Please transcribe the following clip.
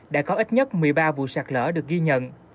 đã có ít nhất một mươi ba vụ sạt lỡ được ghi nhận